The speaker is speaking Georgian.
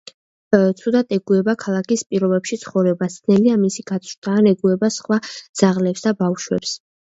ცუდად ეგუება ქალაქის პირობებში ცხოვრებას, ძნელია მისი გაწვრთნა, არ ეგუება სხვა ძაღლებს და ბავშვებს.